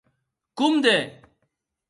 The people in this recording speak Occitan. Comde!